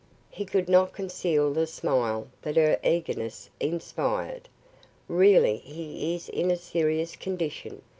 He could not conceal the smile that her eagerness inspired. "Really, he is in a serious condition.